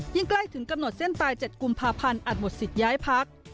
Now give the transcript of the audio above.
ใกล้ถึงกำหนดเส้นตาย๗กุมภาพันธ์อาจหมดสิทธิ์ย้ายพัก